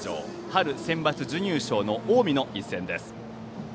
春センバツ準優勝の近江の一戦です。